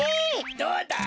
どうだい？